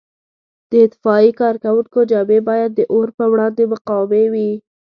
د اطفایې کارکوونکو جامې باید د اور په وړاندې مقاومې وي.